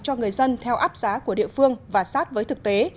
cho người dân theo áp giá của địa phương và sát với thực tế